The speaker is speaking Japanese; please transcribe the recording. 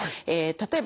え